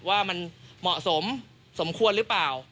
ว่ามันเหมาะสมสมควรหรือเปล่า